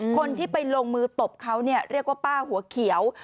คนที่ไปลงมือตบเขาเรียกว่าป้าหัวเขียว